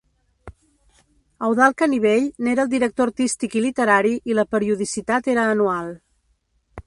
Eudald Canivell n’era el director artístic i literari i la periodicitat era anual.